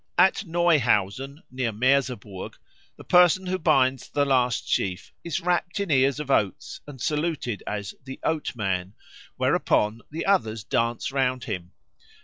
At Neuhausen, near Merseburg, the person who binds the last sheaf is wrapt in ears of oats and saluted as the Oatsman, whereupon the others dance round him.